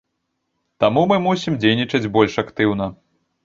Таму мы мусім дзейнічаць больш актыўна.